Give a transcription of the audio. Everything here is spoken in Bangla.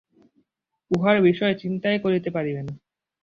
উহার বিষয় চিন্তাই করিতে পারিবে না।